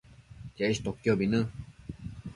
cheshtoquiobi në